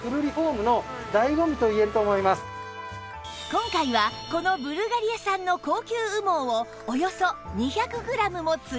今回はこのブルガリア産の高級羽毛をおよそ２００グラムも追加